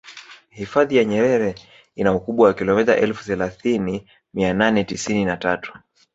hifadhi ya nyerere ina ukubwa wa kilomita elfu thelathini mia nane tisini na tatu